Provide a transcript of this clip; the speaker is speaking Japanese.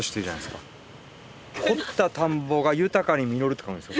「掘った田んぼが豊かに稔る」って書くんですよ。